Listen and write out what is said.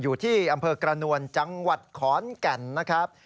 อยู่ที่อำเภอกระนวลจังหวัดขอนแก่นนะครับ